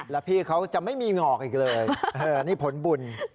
แล้วพี่เขาจะไม่มีหงอกอีกเลยนี่ผลบุญ